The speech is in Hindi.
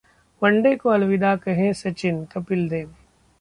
वनडे को अलविदा कहें सचिनः कपिल देव